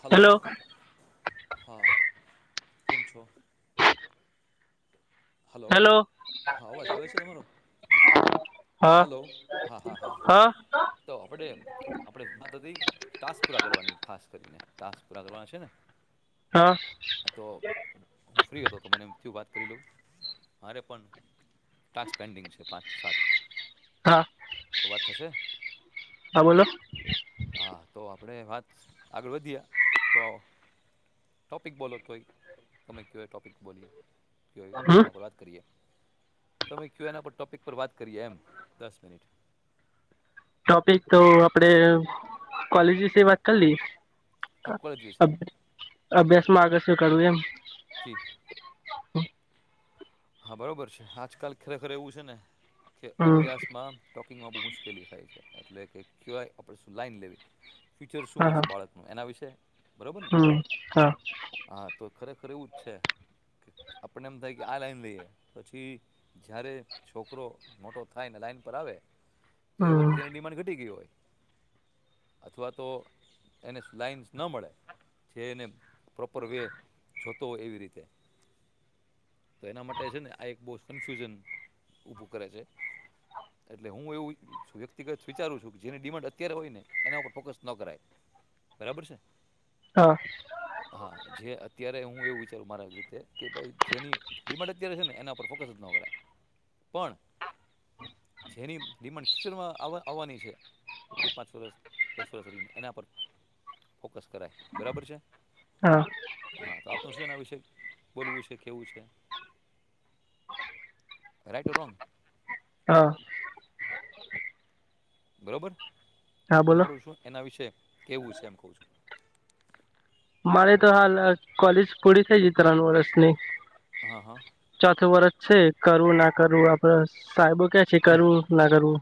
Hello, hello હા કેમ છો? હલો હેલો, હા અવાજ આવે છે તમારો હા હા, તો આપણે, આપણે વાત હતી ટાસ્ક પૂરા કરવાની ખાસ કરીને, ટાસ્ક પૂરા કરવાના છે ને, હા. આ તો હું ફ્રી હતો તો મને એમ થયું વાત કરી લઉં. મારે પણ ટાસ્ક પેન્ડિંગ છે પાંચ સાત, હા તો વાત થશે હા બોલો, હા તો આપણે વાત આગળ વધીએ તો, ટૉપિક બોલો તોય તમે કવાય ટૉપિક બોલ્યું કય હમ એના પર વાત, તમે કયો એના પર ટોપિક પર વાત કરીએ એમ દસ મિનિટ, ટોપિક તો આપડે, કોલેજ હમ વિશે વાત કરી લઈ. હા કોલેજ વિશે અભ્ ઓકે અભ્યાસ માં આગળ શું કરવું એમ, [unintelligible] હા બરાબર છે આજકાલ ખરેખર એવું છે ને કે હમ અભ્યાસમાં, ટોકિંગમાં બહુ મુશ્કેલી થાય છે એટલે કે કહેવાય આપણે શું લાઈન લેવી ફ્યુચર શું હા હશે બાળક, એના વિશે, બરાબર ને હમ હા, હા તો ખરેખર એવું જ છે કે આપને એમ થાય કે આ લાઈન, પછી જ્યારે છોકરો મોટો થાય ને લાઈન પર આવે. તો એ હમ વખત એની ડિમાન્ડ ઘટી ગયી હોય. અથવા તો એને લાઇન્સ ન મળે. છે એને પ્રોપર વે જોતો હોય એવી રીતે. તો એના માટે છે ને આ એક બહુ કન્ફ્યુઝન ઊભું કરે છે એટલે હું એવું, હું વ્યક્તિગત વિચારું છું કે જેની ડિમાન્ડ અત્યારે હોય ને એના ઉપર ફોકસ નો કરાય. બરાબર છે. હા. હા જે અત્યારે હું એવું વિચારું મારા રીતે કે ભાઈ, જેની ડિમાન્ડ અત્યારે છે ને એના પર ફોકસ જ નો કરાય પણ, જેની ડિમાન્ડ ફ્યુચરમાં આવ આવવાની છે. બે પાંચ વરસ દસ વરષ રહીને એના પર ફોકસ કરાય બરાબર છે. હા. હા તો આપનું શું છે ને આ વિષશે બોલવું છે કેહેવું છે. રાઈટ ટુ રૉંગ, હા. બરાબર, હા બોલો તમારું શું એના વિશે કહેવું છે એમ કહું છું. મારે તો હાલ કોલેજ પૂરી થઈ ત્રણ વર્ષની હા હા. ચોથું વરષ છે કરવું ના કરવું આપડ સાહેબો કે છે કરવું ના કરવું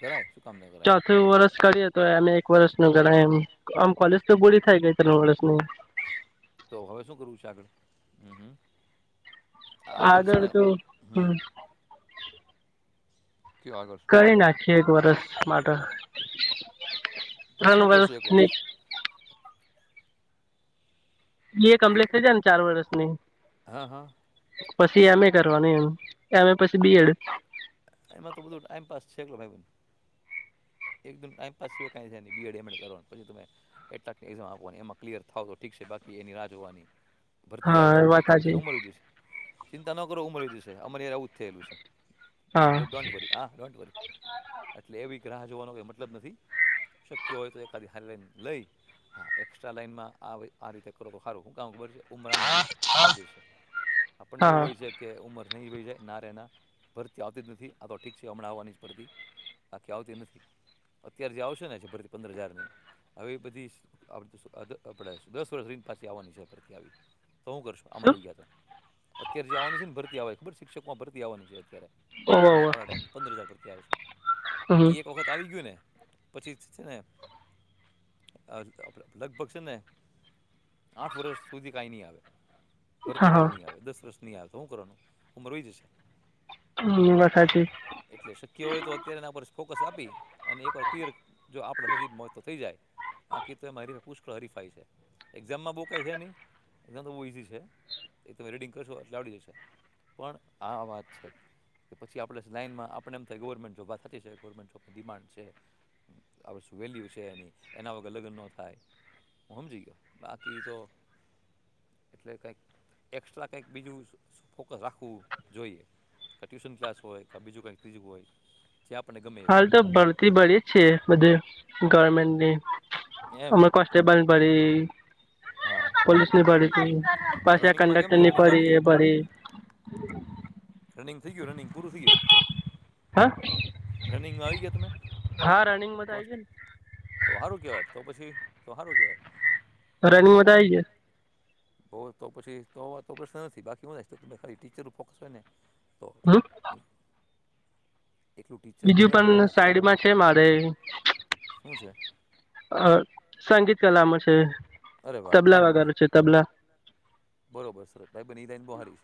કરાય શું કામ ન કરાય ચોથું વરષ કરી હતી તો એમે એક વર્ષ ન ગણાય એમ આમ કોલેજ તો પૂરી થઈ ગઈ ત્રણ વર્ષની તો હવે શું કરવું છે આગળ હમ્મ હમ્મ આગળ છે ને હમ્મ હમ કયો આગળ શું કરી નાખીએ એક વર્ષ માટે પણ ત્રણ શું કરશું એક વર્ષની વર્ષ એ એક કોમ્પલેટ થઈ જાય ને ચાર વર્ષની હા હા પછી એમ એ કરવાનું એમ એમ એ પછી બી એડ એમાં તો બધું ટાઈમપાસ છે [unintelligible] એકદમ ટાઈમપાસ સિવાય કઈ નહી બીએડ એમએડ કરવાનું પછી તમે એટકને એજ આપવાની એમાં ક્લિયર થાવો તો ઠીક બાકી એની રાહ જોવાની ભરતી હા આવશે એ વાત ભરતી આવે હાચી ત્યાં ઉમેવી દેશું ચિંતા ન કરો ઉમરી દેશે અમારે આવું જ થયેલું છે હા ડોન્ટ વરી હા ડોન્ટ વરી એટલે એવીક રાહ જોવાનો કંઈ મતલબ નથી શક્ય હોય તો એકાધી હારી લાઇન લઈ હા એક્સ્ટ્રા લાઈનમાં આવે આ રીતે કરો તો સારું હું કામ ખબર સે ઉમરા નામ કઈ જશે આપણને એવું હા હોય છે. કે ઉંમર નહી વહી જાય ના રે ના ભરતી આવતી જ નથી આ તો ઠીક છે હમણાં આવવાની જ ભરતી બાકી આવતી નથી. અત્યારે જે આવશે હજી ભરતી પંદર હજાર ની હવે એ બધી આપ આપણે દસ વર્ષ રહી પાછી આવવાની છે ભરતી આવી તો હું કરશું આમાં શું રહી ગયા તો અત્યારે જે આવવાની છે ને ભરતી આવે ખબર શિક્ષકોમાં ભરતી આવવાની છે અત્યારે હમણાં ઘણા ટાઈમ પંદર હજાર ભરતી આવશે. હમ્મ. એ એક વખત આવી ગ્યું ને પછી છે ને આ રીતે આપળે લગભગ છે ને આઠ વર્ષ સુધી કાઈ ની આવે. ભરતી હા કાઈ હા ની આવે દસ વર્ષ ની આવે તો હું કરવાનું ઉંમર વઈ જશે. હમ્મ એ વાત હાચી એટલે શક્ય હોય તો અત્યારે એના પર ફોકસ આપી અને એકવાર ક્લિયર જો આપણા નસીબ મા હોય તો થઈ જાય. આ કિતે મારી પુષ્કળ હરીફાય છે એક્ઝામમાં બઉ કાઈ છે નઈ એકઝામ તો બઉ ઈઝી છે. એ તો રીડિંગ કરશું એટલે આવડી જશે. પણ આ વાત છે કે પછી આપળે લાઈનમાં આપણે એમ થાય ગવર્મેન્ટ જોબ વાત હાચી છે. ગવર્મેન્ટ જોબની ડિમાન્ડ છે આવશું વેલ્યુ છે એની એના વગર લગ્ન નો થાય હું સમજી ગયો બાકી તો એટલે કંઈક એસ્ટ્રા કંઈક બીજું શું શું ફોકસ રાખવું જોઈએ. કા ટ્યુશન કલાસ હોય કા બીજું કઈક ત્રીજું હોય જે આપણે ગમે એવું હાલ તો ભરતી ભળી છે બધે ગવર્મેન્ટની એમ અમ કોન્સ્ટેબલ ભરી હા. પોલીસ ની ભળતી તો પાસી આ રનિંગમાં કેમ કંડક્ટર થયું ની રનિંગ આવી પળી ગઈ એ ભરી રનિગ થઈ ગયું રનિગ પૂરું થઈ ગયું હ. રનિંગમાં આવી ગયા તમે? હા, રનિંગ માં તો આઈ કોસ્ટ ગયા ને. તો હારું કેવાય, તો પછી તો હારું કેવાય. રનિંગ માં તો આવી ગયા‌. હોય તો, પછી તો તો વાત નો પ્રશ્ન નથી બાકી હોય, એક્સ્ટ્રા તમે ખાલી ટીચર નું ફોકસ હોય ને તો. હમ. બીજું પણ ફોકસ સાઈડમાં છે મારે‌. શું છે અ સંગીત કલામાં છે, અરે વાહ તબલા સરસ વગારુ છે. તબલા. બરોબર, સરસ ભાઈ બને, ઈ લાઈન બો હારી,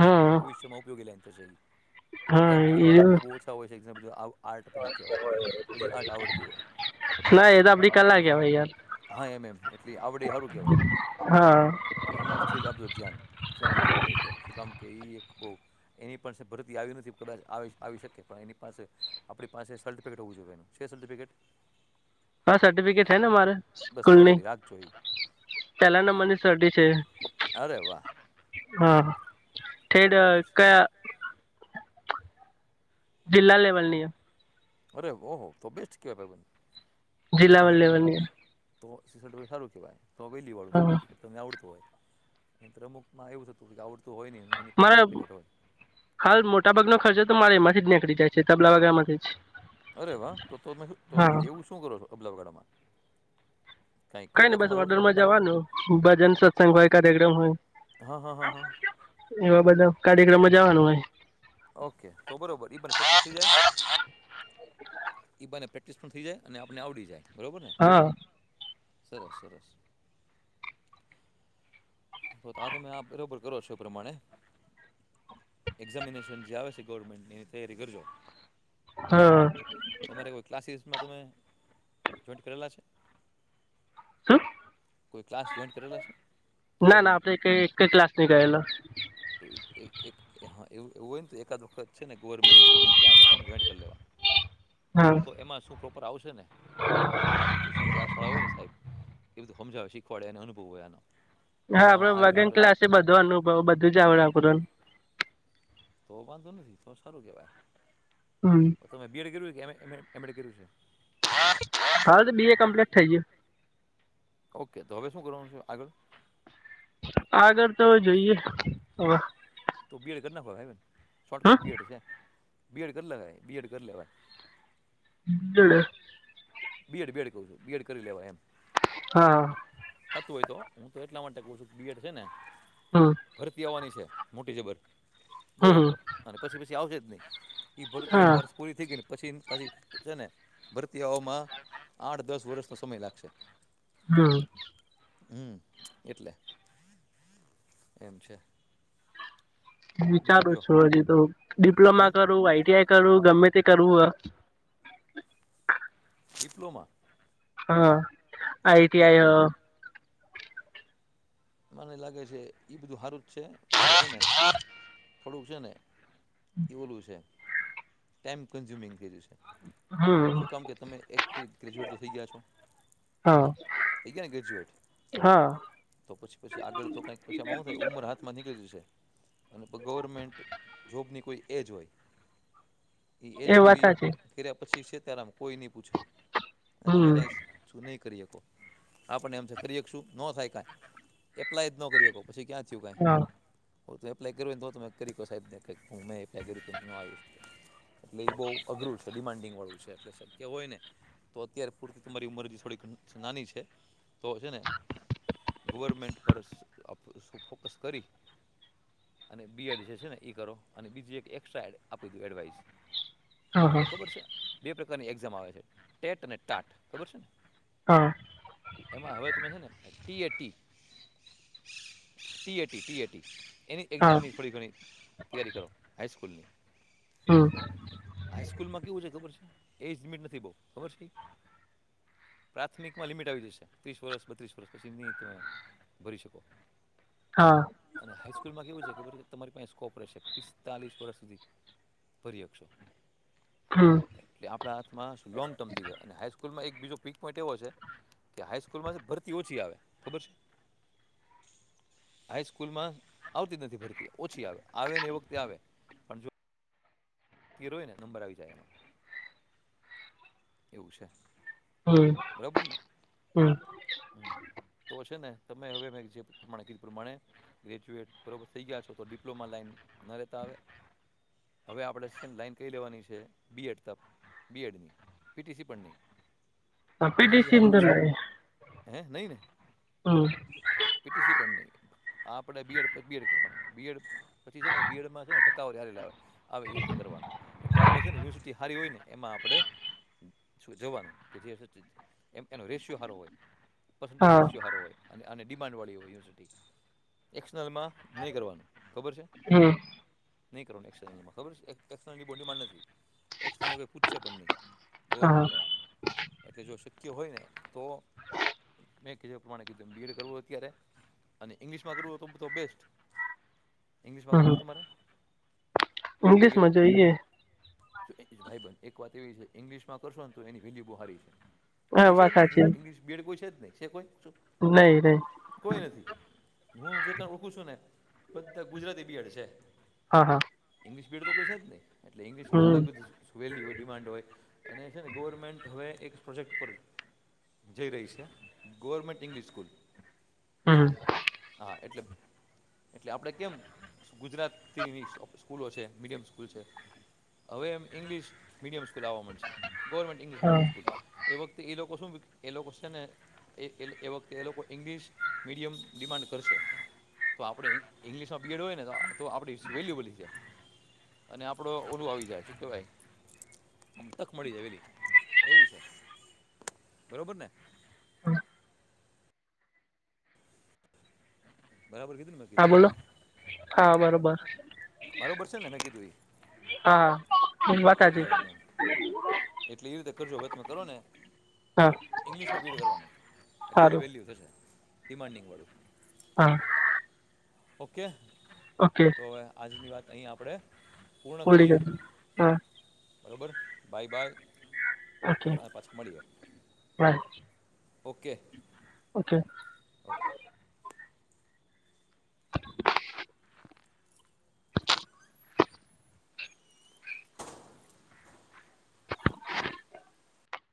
હા ભવિષ્યમાં ઉપયોગી લાઈન થશે ઈ. હું હા કામ કેવા એ લોકો બો ઓછા હોય છે, જેમ ને આવું આર્ટ બધી કેવાય, બધી આર્ટ આવડતી હોય. ના એ તો આપડી કલા કેવાય યાર હા, એમ એમ એટલી આવડે હારું કેવાય. હા. તો એમાં જ આપળુ ધ્યાન સંગીત ઉપર એ રીતે શું કામ કે, ઈ એક બો એની પણ સે ભરતી આવી નથી, કદાજ આવે, આવી શકે, પણ એની પાસે આપળી પાસે સર્ટિફિકેટ હોવું જોઈએ એનું છે, સર્ટિફિકેટ? હા સ, ર્ટિફિકેટ હે ના, મારે બસ તો સ્કૂલની. રેડી રાખજો એ પેલા નંબરની સર્ટિ છે. અરે વાહ. હા, થેડ તો બરોબર છે કયા? જિલ્લા લેવલ ની. અરે ઓહો તો બેસ્ટ કેવાય, ભાઈ, જિલ્લા કયા લેવલ? લેવલની તો સિ સર્ટિફિકેટ હારું કેવાય, તો વેલ્લુ વાળું હા સર્ટિફિકટ. તને આવડતું હોય, નીત્ર અમુકમાં એવું થતું કે, આવડતું હોય ની. મારા હાલ મોટા ભાગનો ખર્ચો તો, મારે એમાંથી જ નીકળી જાય છે, તબલા વગારવા માંથી જ. અરે વા તો તમે તો હા તમે એવું શું કરો છો? તબલા વગાળવામાં. કઈ ની બસ ઓર્ડર માં જવાનું, ભજન સત્સંગ હોય, કાર્યક્રમ હોય. હા હા હા હા એવા બધા કાર્યક્રમમાં જવાનું હોય. ઓકે, તો બરોબર ઈ પણ પ્રેક્ટિસ થઈ જાય. ઈ બાને પ્રેક્ટિસ પણ થઈ જાય, અને આપને આવડી જાય, બરોબર ને. હ. સરસ, સરસ. તો આ તમે આ બરોબર કરો છો? પ્રમાણે. એક્ઝામિનેશન જે આ આવે છે, ગવર્મેન્ટની તૈયારી કરજો. હા. તમારે કોઈ ક્લાસીસમાં તમે જોઈન્ટ કરેલા છે. શું કોઈ ક્લાસ જોઈન્ટ કરેલા છે. ના, ના ગવર્મેન્ટ આપડે કઈ એકે ક્લાસ નઈ કરેલા. તો એક-એક. હા, એવુ એવુ હોય ને, તો એકાદ વખત છે ને, ગવર્મેન્ટના કોઈ પણ કલાસ છે ને, જોઈન્ટ કરી લેવા. [unintelligible] હા. તો એમાં શું પ્રોપર આવસેને, તો આપને ટ્યુશન ક્લાસવાળા હોય ને, સાહેબ એવી રીતે સમજાવશે, શીખવાડે, અને અનુભવ હોય એનો. હા, આપડે વગન ક્લાસે બધો અનુભવ બધું જ આવડે. તો વાંધો નથી તો સારુ કેવાય હમ્મ તો મે બી એડ કર્યું કે એમ એ એમ એડ કર્યું છે [inaudible] હા તો બી એ કમ્પ્લીટ થઈ ગયું ઓકે તો હવે શું કરવાનું છે આગળ આગળ તો જોઈએ હવે તો બીએડ કર નાખો હવે ભાઈ- [unintelligible] શોર્ટકટ બીએડ છે બી એડ કર લેવાય બી એડ કર લેવાય. [unintelligible] બી એડ બેડ કવ છું બીએડ કરી લેવાય એમ હાં થતું હોય તો હું તો એટલા માટે ક્વ છું બી એડ છે ને હમ્મ ભરતી આવાની છે મોટી જબર બોવ હમ અને પછી પછી આવશે જ નહી ઇ ભરતી એક હા વર્ષ પૂરી થઈ ગઈને પછી પાછી જેને ભરતી આવામાં આઠ દસ વર્ષનો સમય લાગશે હમ્મ હમ્મ એટલે એમ છે બીજું વિચારું કયો છું હજીતો હે ડિપ્લોમા કરું આઈ ટી આઈ કરું ગમેતે કરુ અ ડિપ્લોમા હ આઈ ટી આઈટીઆઈ આઈ હ મને લાગે છે ઇ બધું હારું જ છે પણ છે ને થોડુંક છે ને ઇ ઓલું છે ટાઈમ કન્ઝ્યુમિંગ થઈ જશે હમ શું કામ કે તમે એક ગ્રેજ્યુએટ તો થઈ ગયા છો હા થઇ ગયા ને ગ્રેજ્યુએટ હા તો પછી પછી આગળ તો કંઈક પછી એમાં હું થાય ઉંમર હાથમાં નીકળી જશે અને પ ગવર્મેન્ટ જોબની કોઈ એજ હોય ઇ એજ એ વાત પૂરી સાચી કર્યા પછી છેે તારામ કોઈ નહી પૂછે અને તમે હમ કાંઈ છુ નઈ કરી હકો તો આપણને એમ થાય કરી હકશો નો થાય કાંઈ એપ્લાય જ નો કરી હકો પછી ક્યાં થયું કાંઈ હા પોતે એપ્લા કરું હોય ને તો તમે કહી હકો સાહેબ ને [unintelligible] નો આવ્યુ એટલે એ બહુ અઘરું છે ડિમાન્ડિંગ વાળું છે એટલે કે હોય ને તો અત્યારે પૂરતી તમારી ઉંમર હજી થોડીક નાની છે તો જે ને ગવરમેન્ટ પર સુ ફોકસ કરી અને બી એડ જે છે ને એ કરો અને બીજી એક એક્સ્ટ્રા એડ આપી દઉ એડવાઈસ હા હા આપણે ખબર છે બે પ્રકારની એક્ઝામ આવે છે ટેટ અને ટાટ ખબર છે ને હા એમાં હવે તમે છે ને T A T TAT TAT એની હા એક્ઝામની થોડી ઘણી તૈયારી કરો હાઈસ્કૂલની હમ્મ હાઈસ્કૂલ માં કેવું છે ખબર છે એજ લીમિટ નથી બઉ ખબર છે પ્રાથમિકમાં લિમિટ આવી જશે ત્રીસ વર્ષ બત્રીસ વર્ષ પછી નહીં તમે ભરી શકો હા અને હાઈસ્કૂલમાં કેવ છે, ખબર છે કે, તમારી પાસે સ્કોપ રહેશે, પિસ્તાલીસ વર્ષ સુધી. પર્યક્ષો. હા. એટલે આપણા હાથમાં શું લોંગ ટર્મ થઈ જાય, અને હાાઈસ્કૂલમાં એક બીજો પીક પોઈન્ટ એવો છે. કે હાાઈસ્કૂલમાં છે, ભરતી ઓછી આવે ખબર છે. હાઈસ્કૂલમાં આવતી જ નથી, ભરતી ઓછી આવે, આવે ને એ વખતે આવે. હીરોય ને, નંબર આવી જાય એમાં. એવું છે, બરાબરને. હમ તો છે ને, તમે હવે મેં જે પ્રમાણે કીધું પ્રમાણે. ગ્રેજ્યુએટ બરોબર થઈ ગયા છો, તો ડિપ્લોમા લાઈન ન રહેતા આવે. હવે આપણે લાઈન કઈ લેવાની છે, બીએડ તક બીએડની. પીટીસી પણ નહીં, પીટીસી સારું જ છે હે, નહીં ને. હા. પીટીસી પટ્ટણી. આપડે બીએડ બીએડ કરવાનું, બીએડ પછી છે ને, બીએડમાં છે ને, ટકા યારે લાવે. આવે, એ રીતે કરવાનું, એટલે આપણે છે ને, યુનિવર્સિટી સારી હોય ને, એમાં આપણે જોવાનું કે, જે હ એમ એનો રેશિયો સારો હોય, પર્સન્ટેજ હા રેશિયો સારો હોય. અને આ અને ડિમાન્ડવાળી હોય, યુનિવર્સિટી એક્સનલમાં નહીં કરવાનું. ખબર છે. હમ નહીં કરવાનું, એક્સર્નલમાં ખબર છે, એક્સર્નલની બોન્ડીમાં નથી, એક્સર્નલઈ પૂછશે પણ નહીં. હા ગવર્મેન્ટવાળા એટલે જો શક્ય હોય ને તો. મેં કહેધો, એ પ્રમાણે કીધું બીએડ કરવું હો અત્યારે, અને ઇંગ્લિશમાં કરવું હોય તો, બધા તો બેસ્ટ. ઈગ્લશમાં કરું, તમારે. ઇંગ્લિશ બીએડ માં જોઈએ. જો ભાઈ-બેન એક વાત એવી છે, ઇંગ્લિશમાં કરશો ને, તો એની વહેલી બુહારી છે. હા કોઈ છે વાત જ સાચી નહી, ઈંગ્લિશ બીએડ કોઈ છે, જ નહી શ કોઈ શું? નહી નહી કોઈ નથી, હું જેટલા રોખું છું ને, બધા ગુજરાતી બિડ છે. હા, હા. ઈંગ્લિશ બીડ તો કોઈ છે જ નહીં, એટલે ઇંગ્લિશની હમ અલગ સુવેલની હોય, ડિમાન્ડ હોય. અને છે ને, ગવર્મેન્ટ હવે એક પ્રોજેક્ટ ઉપ જ જઈ રહી છે, ગવર્મેન્ટ ઇંગ્લિશ સ્કૂલ. હમ હા, એટલે એટલે આપણે કેમ ગુજરાતીની સ્કૂલો છે, મીડિયમ સ્કૂલ છે. હવે એમ ઇંગ્લિશ મીડિયમ સ્કૂલ આવવા મળશે. ગવર્મેન્ટ ઇંગ્લિશ હા મીડિયમ સ્કૂલ, એ વખતે એ લોકો શું એ લોકો છે ને. એ એ વખતે એ લોકો ઇંગ્લિશ મીડિયમ ડિમાન્ડ કરશે. તો આપણે ઈંગ્લિશમાં બીએડ હોય ને, તો આપણે વેલ્યુઅબલ છે. અને આપડો ઓલું આવી જાય, શું કેવાય. મળી જાય વેલી એવું છે, બરોબર ને. બરાબર કીધું ને. હા, કીધું ઈ બોલો. હા, બરોબર. બરોબર છે ને, મેં કીધું એ. હા વાત હા, સાચી એ બે બેન એટલે એવી રીતે કરજો, હવે તમે કરો ને. હા તો ઈંગ્લિશમાં પીડ કરવાનું, એટલે એની સારું વેલ્યુ થશે, ડિમાન્ડિંગ વાળું. હા. ઓકે ઓકે તો હવે આજની વાત અહીં આપણે પૂર્ણ પૂરી કરીએ. કરી હા બરોબર બાય ઓકે બાય પાછા મળીએ બાય ઓકે ઓકે [inaudible]